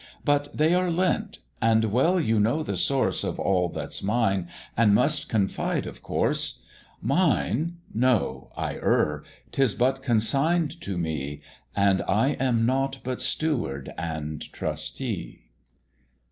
But they are lent: and well you know the source Of all that's mine, and must confide of course: Mine! no, I err; 'tis but consigned to me, And I am nought but steward and trustee."